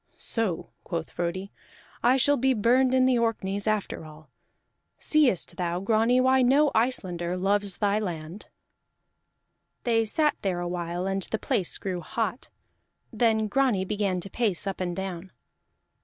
"So," quoth Frodi, "I shall be burned in the Orkneys after all. Seest thou, Grani, why no Icelander loves thy land?" They sat there a while and the place grew hot; then Grani began to pace up and down.